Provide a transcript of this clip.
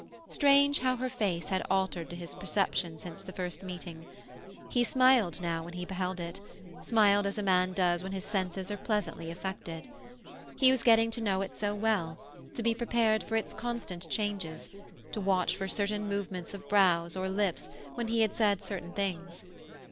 Strange how her face had altered to his perception since the first meeting. He smiled now when he beheld it—smiled as a man does when his senses are pleasantly affected. He was getting to know it so well, to be prepared for its constant changes, to watch for certain movements of brows or lips when he had said certain things.